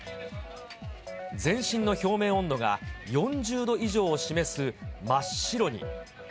全身の表面温度が４０度以上を示す真っ白に。